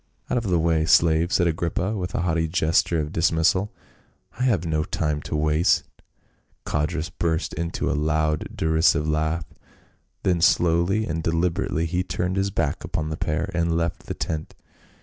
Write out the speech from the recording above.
"Out of the way, slave," said Agrippa with a haughty gesture of dismissal. " I have no time to waste." Codrus burst into a loud derisive laugh, then slowly and deliberately he turned his back upon the pair and left the tent.